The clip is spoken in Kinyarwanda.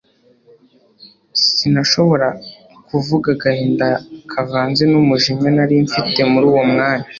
sinashobora kuvuga agahinda kavanze numujinya narimfite muruwo mwanya